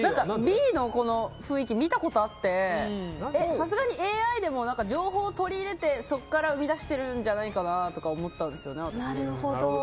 Ｂの雰囲気、見たことがあってさすがにＡＩでも情報を取り入れてそこから生み出しているんじゃないかなとか思ったんですね。